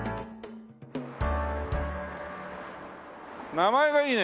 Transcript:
名前がいいね！